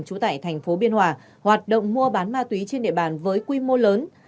trú tại thành phố biên hòa hoạt động mua bán ma túy trên địa bàn với quy mô lớn